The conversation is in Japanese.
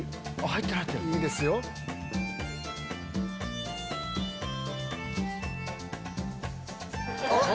いいですよ。おっ！